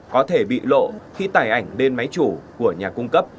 có thể bị lộ khi tải ảnh lên máy chủ của nhà cung cấp